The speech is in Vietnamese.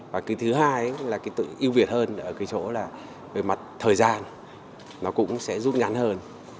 và cái thứ hai là cái tự ưu việt hơn ở cái chỗ là về mặt thời gian nó cũng sẽ giúp ngắn hơn